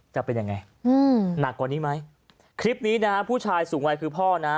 จะเป็นยังไงอืมหนักกว่านี้ไหมคลิปนี้นะฮะผู้ชายสูงวัยคือพ่อนะ